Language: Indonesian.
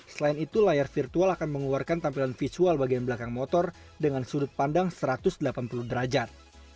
selain itu layar virtual akan mengeluarkan tampilan visual bagian belakang motor dengan sudut pandang satu ratus delapan puluh derajat